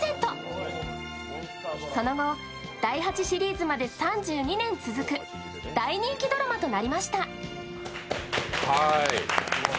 その後、第８シリーズまで３２年続く大人気ドラマとなりました。